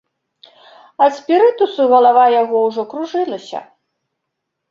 Ад спірытусу галава яго ўжо кружылася.